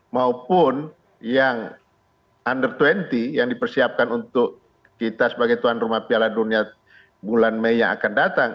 maupun yang under dua puluh yang dipersiapkan untuk kita sebagai tuan rumah piala dunia bulan mei yang akan datang